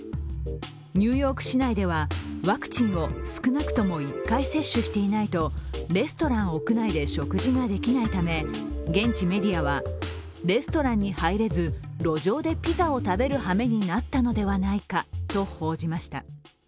ニューヨーク市内では、ワクチンを少なくとも１回接種していないとレストラン屋内で食事ができないため現地メディアは、レストランに入れず、路上でピザを食べるはめになったのではないかと報じました。